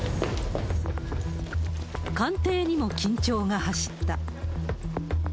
官邸にも緊張が走った。